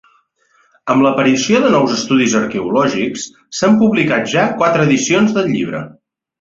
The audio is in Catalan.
Amb l'aparició de nous estudis arqueològics, s'han publicat ja quatre edicions del llibre.